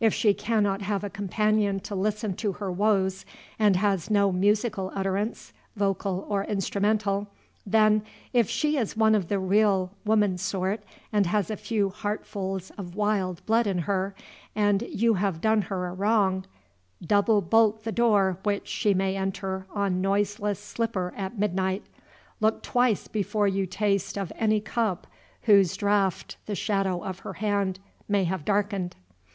If she cannot have a companion to listen to her woes, and has no musical utterance, vocal or instrumental, then, if she is of the real woman sort, and has a few heartfuls of wild blood in her, and you have done her a wrong, double bolt the door which she may enter on noiseless slipper at midnight, look twice before you taste of any cup whose draught the shadow of her hand may have darkened!